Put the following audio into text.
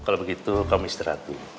kalau begitu kamu istirahat dulu